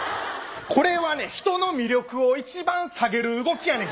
これはね人の魅力を一番下げる動きやねん。